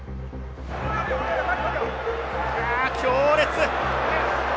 強烈！